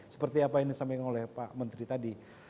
seperti apa yang disampaikan oleh pak menteri tadi